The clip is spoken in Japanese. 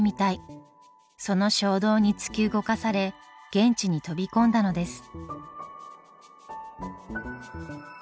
その衝動に突き動かされ現地に飛び込んだのです。